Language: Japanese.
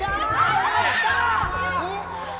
やった！